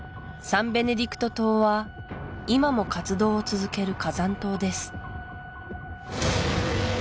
サンベネディクト島は今も活動を続ける火山島です